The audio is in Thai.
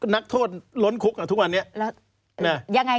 นักโทษล้นคุกทุกวันนี้